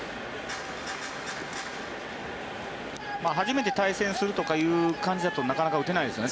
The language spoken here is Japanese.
初めて対戦するという感じだとなかなか打てないですよね。